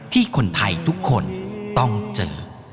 ที่คนไทยทุกคนต้องเจอ